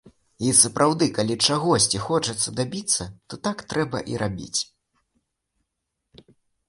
І сапраўды, калі чагосьці хочацца дабіцца, то так трэба і рабіць.